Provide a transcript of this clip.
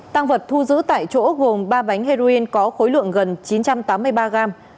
tăng vật thu giữ tại chỗ gồm ba bánh heroin có khối lượng gần chín trăm tám mươi ba gram